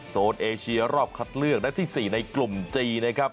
โซนเอเชียรอบคัดเลือกนัดที่๔ในกลุ่มจีนนะครับ